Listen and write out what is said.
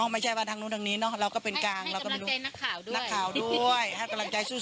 ไม่ใช่ว่าทางนู้นทางนี้เนอะเราก็เป็นกลางเราก็ไม่รู้นักข่าวด้วยให้กำลังใจสู้